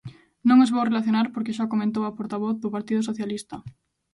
Non os vou relacionar porque xa o comentou a portavoz do Partido Socialista.